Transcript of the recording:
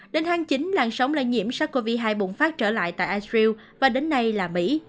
đến tháng chín làn sóng lây nhiễm sars cov hai bùng phát trở lại tại ital và đến nay là mỹ